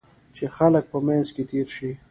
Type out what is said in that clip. چې خلک په منځ کې تېر شي.